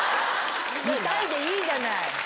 「見たい」でいいじゃない！